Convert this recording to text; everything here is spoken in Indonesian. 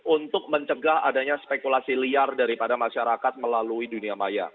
untuk mencegah adanya spekulasi liar daripada masyarakat melalui dunia maya